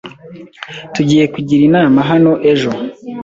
Tugiye kugira inama hano ejo.